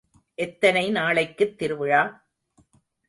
எத்தனை நாளைக்குத் திருவிழா?